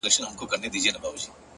لوړ فکر نوی افق رامنځته کوي.